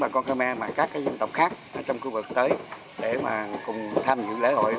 các dân tộc khác trong khu vực tới để cùng tham dự lễ hội